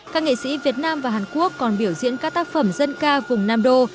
các nghệ sĩ việt nam và hàn quốc còn biểu diễn các tác phẩm dân ca vùng nam đô